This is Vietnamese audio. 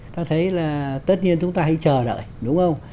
ta thấy là tất nhiên chúng ta hay chờ đợi đúng không